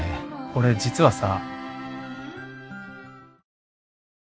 俺実はさ。